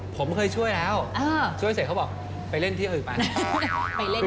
ผมเคยช่วยแล้วช่วยเสร็จเขาบอกไปเล่นที่อื่นไปเล่น